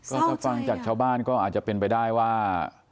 อืมโอ้โหมันเศร้าใจถ้าฟังจากชาวบ้านก็อาจจะเป็นไปได้ว่า